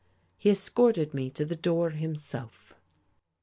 He escorted me to the door himself.